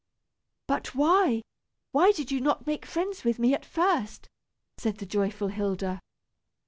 "But why, why did you not make friends with me at first?" said the joyful Hilda.